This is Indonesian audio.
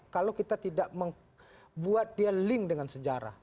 kalau kita tidak membuat dia link dengan sejarah